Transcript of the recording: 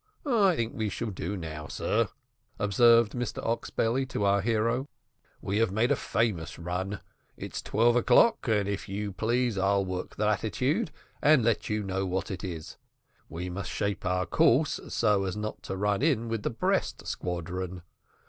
"I think we shall do now, sir," observed Mr Oxbelly to our hero; "we have made a famous run. It's twelve o'clock, and if you please I'll work the latitude and let you know what it is. We must shape our course so as not to run in with the Brest squadron.